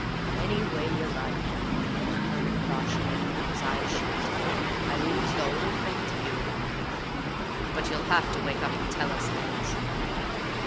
"Any way you like," murmured Crawshay, with his eyes shut. "I leaves the 'ole thing to you." "But you'll have to wake up and tell us things."